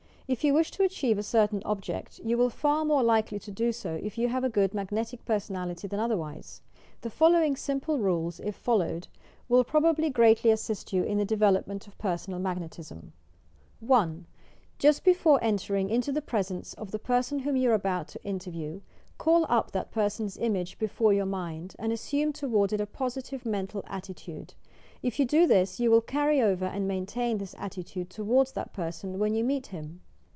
If you wish to achieve a certain object, you will be far more likely to do so if you have a good magnetic personality than otherwise. The following simple rules, if followed, will probably greatly assist you in the development of personal magnetism : 268 YOUR PSYCHIC POWERS 1. Jast before entering into the presence of the per son whom you are about to interview, call up that per son's image before your mind, and assume toward it a positive mental attitude. If you do this yon will carry over and maintain this attitude toward that per son when you meet him.